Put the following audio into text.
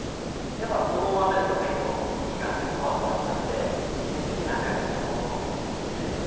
やっぱそのあたりの前後の期間ってそわそわしちゃって一日に何回もポストを見に行くみたいな。